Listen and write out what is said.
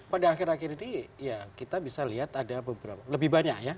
pada akhir akhir ini ya kita bisa lihat ada beberapa lebih banyak ya